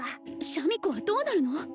シャミ子はどうなるの？